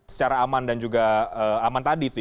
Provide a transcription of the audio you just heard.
secara aman dan juga aman tadi